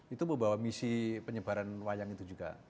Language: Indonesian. itu membawa misi penyebaran wayang itu juga